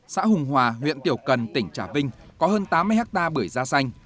xã hùng hòa huyện tiểu cần tỉnh trà vinh có hơn tám mươi hectare bưởi da xanh